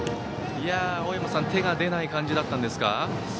手が出ない感じだったんですか？